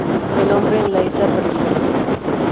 El hombre en la isla perdida".